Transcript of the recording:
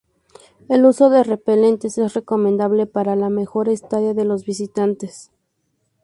El uso de repelentes es recomendable para la mejor estadía de los visitantes.